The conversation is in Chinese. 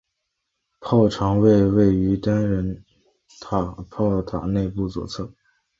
炮长位于单人炮塔内部左侧。